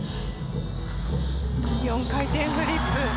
４回転フリップ。